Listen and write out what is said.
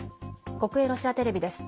国営ロシアテレビです。